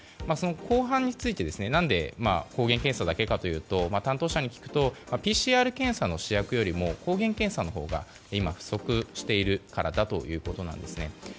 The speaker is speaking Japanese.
後半について何で抗原検査だけかというと担当者に聞くとＰＣＲ検査の試薬よりも抗原検査のほうが今、不足しているからだということなんですね。